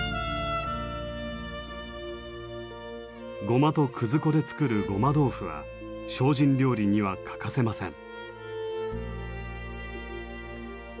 ごまと葛粉で作るごま豆腐は精進料理には欠かせません。